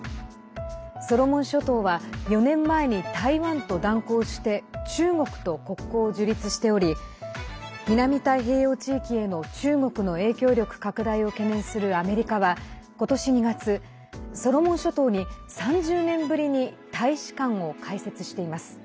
ソロモン諸島は４年前に台湾と断交して中国と国交を樹立しており南太平洋地域への中国の影響力拡大を懸念するアメリカは今年２月、ソロモン諸島に３０年ぶりに大使館を開設しています。